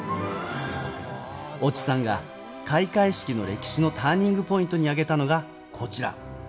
越智さんが開会式の歴史のターニングポイントにあげたのがこちら。